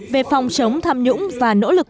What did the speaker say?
về phòng chống tham nhũng và nỗ lực